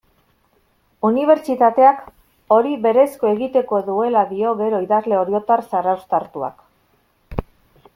Unibertsitateak hori berezko egitekoa duela dio gero idazle oriotar zarauztartuak.